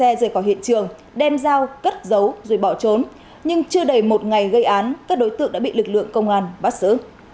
các đối tượng đã đưa xe rời khỏi hiện trường đem dao cất dấu rồi bỏ trốn nhưng chưa đầy một ngày gây án các đối tượng đã bị lực lượng công an bắt xử